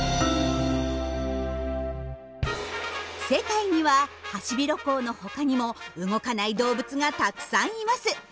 世界にはハシビロコウの他にも動かない動物がたくさんいます。